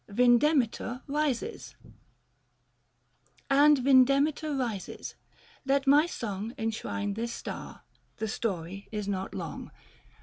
435 V1NDEMITOR EISES. And Yindemitor rises : let my song Enshrine this star, the story is not long.